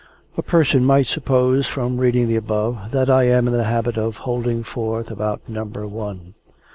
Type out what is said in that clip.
A person might suppose, from reading the above, that I am in the habit of holding forth about number one.